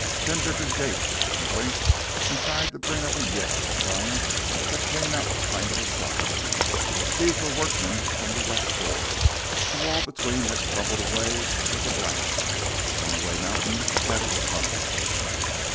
Ben Vickers gaped and blinked and tried to bring up a yell of triumph that came out a kind of tired sob. These were workmen from the west bore. The wall between had crumbled away with the blast. Runaway Mountain had its tunnel.